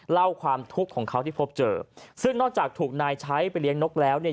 เล่าความทุกข์ของเขาที่พบเจอซึ่งนอกจากถูกนายใช้ไปเลี้ยงนกแล้วเนี่ย